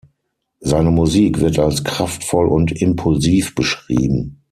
Seine Musik wird als kraftvoll und impulsiv beschrieben.